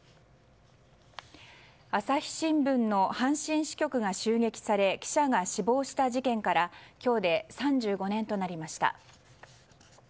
朝日新聞の阪神支局が襲撃され記者が死亡した事件から今日で３５年となりました。